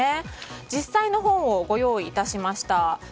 実際の本をご用意致しました。